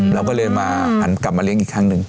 เราก็เลยมาหันกลับมาเลี้ยงอีกครั้งหนึ่ง